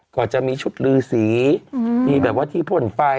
ก็จะมีชุดลือสีมีแบบว่าที่พ่นไฟ